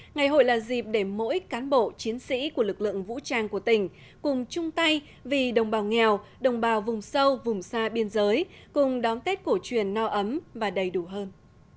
ngày hội là dịp để mỗi cán bộ chiến sĩ của lực lượng vũ trang của tỉnh cùng chung tay vì đồng bào nghèo đồng bào vùng sâu vùng xa biên giới cùng đón tết cổ truyền no ấm và đầy đủ hơn